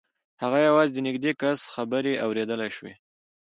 هغه یوازې د نږدې کس خبرې اورېدلای شوې